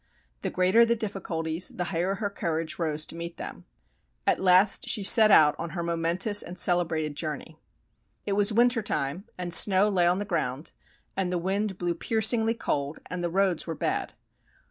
The greater the difficulties, the higher her courage rose to meet them. At last she set out on her momentous and celebrated journey. It was winter time and snow lay on the ground, and the wind blew piercingly cold and the roads were bad.